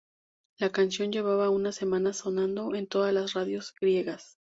La canción llevaba una semana sonando en todas las radios griegas.